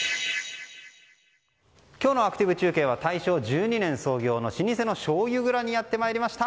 今日のアクティブ中継は大正１２年創業の老舗のしょうゆ蔵にやってまいりました。